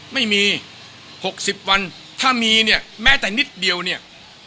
ไม่มี๖๐วันถ้ามีเนี่ยแม้แต่นิดเดียวเนี่ย